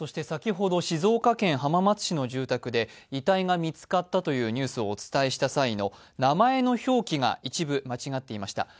先ほど静岡県浜松市の住宅で遺体が見つかったというニュースをお伝えした際の名前の表記が一部間違っていました。